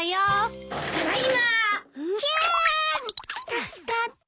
助かった。